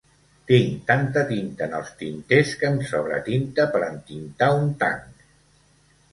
Tinc tanta tinta en els tinters que em sobra tinta per entintar un tanc.